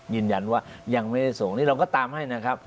ยืนยันว่ายังไม่ได้ส่งนี่เราก็ตามให้นะครับ